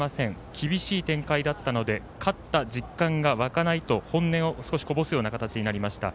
厳しい展開だったので勝った実感が湧かないと本音を少しこぼすような形になりました。